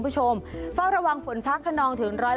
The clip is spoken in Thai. ฮัลโหลฮัลโหลฮัลโหล